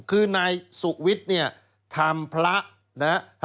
คือนายสุขวิทธิ์ทำพระนะครับ